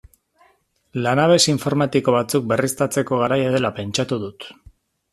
Lanabes informatiko batzuk berriztatzeko garaia dela pentsatu dut.